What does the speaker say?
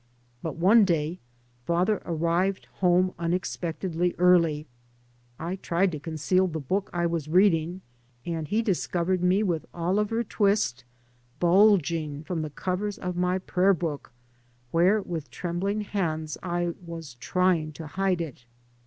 But one day father arrived home unexpect edly early. I tried to conceal the book I was reading, and he discovered me with Oliver Twist bulging from the covers of my prayer book where, with trembling hands, I was try ing to hide it.